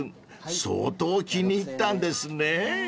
相当気に入ったんですね］